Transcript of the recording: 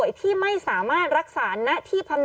กล้องกว้างอย่างเดียว